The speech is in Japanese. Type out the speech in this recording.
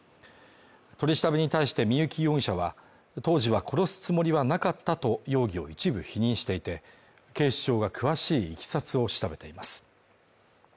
取り調べに対して三幸容疑者は、当時は殺すつもりはなかったと容疑を一部否認していて警視庁が詳しい経緯を調べています。